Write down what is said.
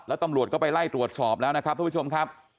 แล้วตำรวจก็ไปไล่ตรวจสอบแล้วนะครับทุกผู้ชมครับ